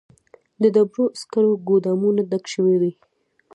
د ډبرو سکرو ګودامونه ډک شوي وي